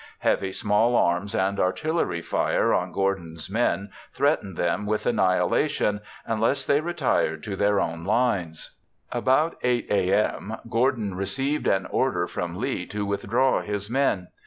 Heavy small arms and artillery fire on Gordon's men threatened them with annihilation unless they retired to their own lines. About 8 a.m., Gordon received an order from Lee to withdraw his men.